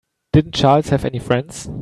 Didn't Charles have any friends?